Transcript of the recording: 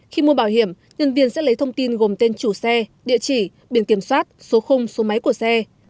khi mua bảo hiểm nhân viên sẽ lấy thông tin gồm tên chủ xe địa chỉ biển kiểm soát số khung số máy của xe